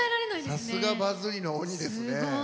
さすがバズりの鬼ですね。